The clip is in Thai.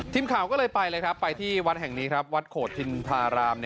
ทีมข่าวก็เลยไปเลยครับไปที่วัดแห่งนี้ครับวัดโขดทินพาราม